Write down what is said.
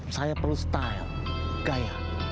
saya perlu style gaya